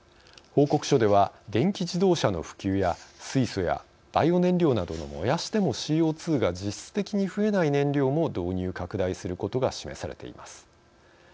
報告書では、電気自動車の普及や水素やバイオ燃料などを燃やしてもＣＯ２が実質的に増えない燃料も導入拡大することが示されています。